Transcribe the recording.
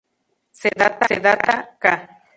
Se data ca.